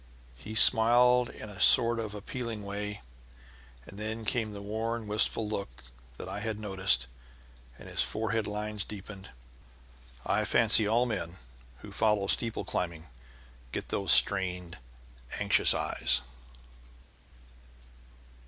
He smiled in a sort of appealing way, and then came the worn, wistful look I had noticed, and his forehead lines deepened. I fancy all men who follow steeple climbing get those strained, anxious eyes.